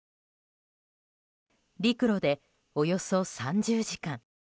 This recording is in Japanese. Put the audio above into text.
陸路でおよそ３０時間。